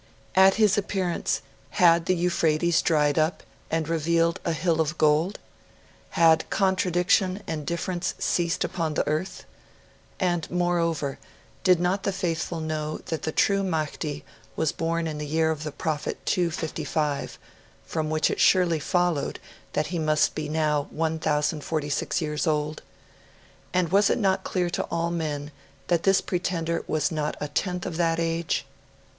At his appearance, had the Euphrates dried up and revealed a hill of gold? Had contradiction and difference ceased upon the earth? And, moreover, did not the faithful know that the true Mahdi was born in the year of the Prophet 255, from which it surely followed that he must be now 1,046 years old? And was it not clear to all men that this pretender was not a tenth of that age?